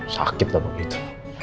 sakit tau begitu